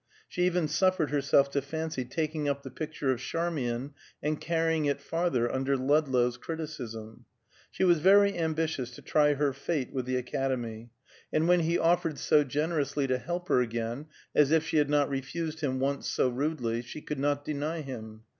She even suffered herself to fancy taking up the picture of Charmian, and carrying it farther under Ludlow's criticism. She was very ambitious to try her fate with the Academy, and when he offered so generously to help her again, as if she had not refused him once so rudely, she could not deny him.